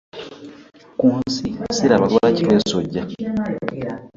Ku nsi ssiraba lwaki twesojja.